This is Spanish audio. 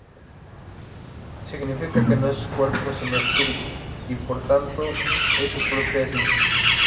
Significa que no es cuerpo sino espíritu y, por tanto, es su propia esencia.